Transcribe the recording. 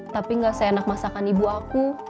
tapi gak seenak masakan ibu aku